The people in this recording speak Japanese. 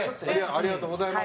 ありがとうございます。